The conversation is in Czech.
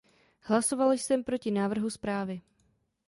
Hlasoval jsem proti návrhu zprávy.